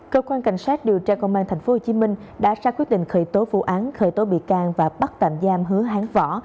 cơ quan cảnh sát điều tra công an tp hcm đã ra quyết định khởi tố vụ án khởi tố bị can và bắt tạm giam hứa hán võ